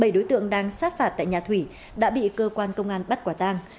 bảy đối tượng đang sát phạt tại nhà thủy đã bị cơ quan công an bắt quả tang